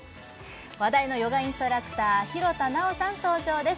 話題のヨガインストラクター廣田なおさん登場です